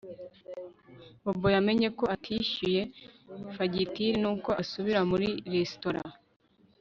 Bobo yamenye ko atishyuye fagitire nuko asubira muri resitora